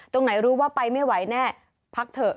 ตรงไหนรู้ว่าไปไม่ไหวแน่พักเถอะ